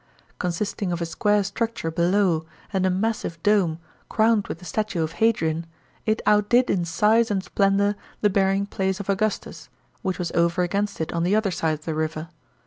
Consist mo; of a square structure below and a massive dome, crowned with the statue of Hadrian, it outdid in size and splendour the burying place of Augustus, which was over against it on the other side of the river.